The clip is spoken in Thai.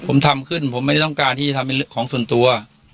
ผมทำขึ้นผมไม่ได้ต้องการที่จะทำเป็นของส่วนตัว